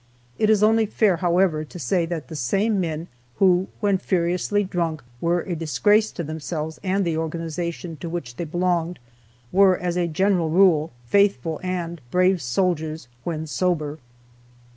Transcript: It is only fair, however, to say that the same men who, when furiously drunk, were a disgrace to themselves and the organization to which they belonged, were, as a general rule, faithful and brave soldiers when sober.